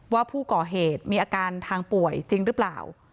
ว่าผู้ก่อเหตุมีอาการทางป่วยจริงหรือเปล่า